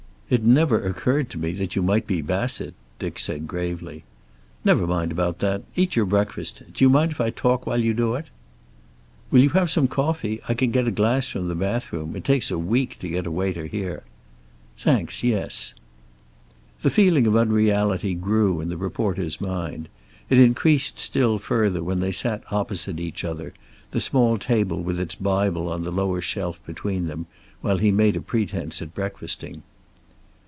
"It never occurred to me that you might be Bassett," Dick said gravely. "Never mind about that. Eat your breakfast. Do you mind if I talk while you do it?" "Will you have some coffee? I can get a glass from the bathroom. It takes a week to get a waiter here." "Thanks. Yes." The feeling of unreality grew in the reporter's mind. It increased still further when they sat opposite each other, the small table with its Bible on the lower shelf between them, while he made a pretense at breakfasting.